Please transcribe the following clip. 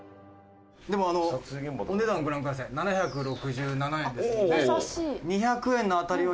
「でもあのお値段ご覧ください」「７６７円ですので」